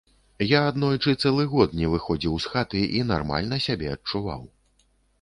Я аднойчы цэлы год не выходзіў з хаты і нармальна сябе адчуваў.